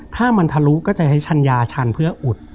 ถ้ามันทะลุก็จะใช้ชัญญาชันเพื่ออุด